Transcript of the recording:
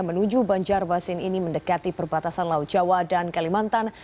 menuju banjarmasin ini mendekati perbatasan laut jawa dan kalimantan